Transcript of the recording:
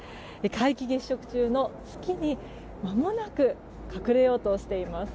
皆既月食中の月にまもなく隠れようとしています。